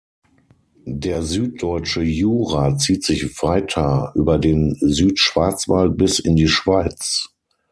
Der Süddeutsche Jura zieht sich weiter über den Südschwarzwald bis in die Schweiz.